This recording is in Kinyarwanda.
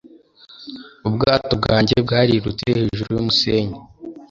Ubwato bwanjye bwarirutse hejuru yumusenyi.